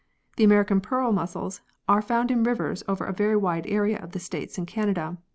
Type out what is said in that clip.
The American pearl mussels are found in rivers over a very wide area of the States and Canada.